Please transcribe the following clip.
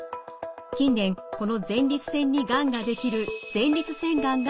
近年この前立腺にがんが出来る前立腺がんが急増しています。